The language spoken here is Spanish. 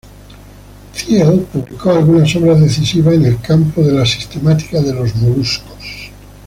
Thiele publicó algunas obras decisivas en el campo de la sistemática de los moluscos.